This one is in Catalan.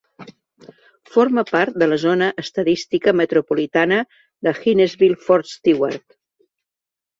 Forma part de la zona estadística metropolitana de Hinesville-Fort Stewart.